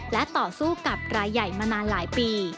และต่อสู้กับรายใหญ่มานานหลายปี